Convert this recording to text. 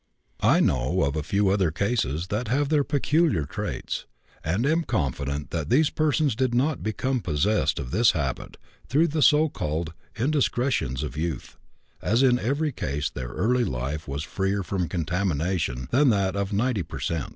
"I know of a few other cases that have their peculiar traits, and am confident that these persons did not become possessed of this habit through the so called 'indiscretions of youth,' as in every case their early life was freer from contamination than that of 90 per cent.